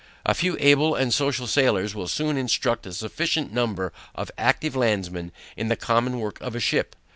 A few able and social sailors will soon instruct a sufficient number of active landmen in the common work of a ship.